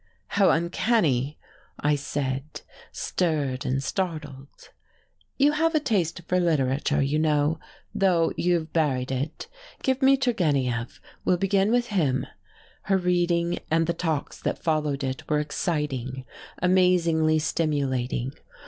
"How uncanny!" I said, stirred and startled. "You have a taste for literature, you know, though you've buried it. Give me Turgeniev. We'll begin with him...." Her reading and the talks that followed it were exciting, amazingly stimulating....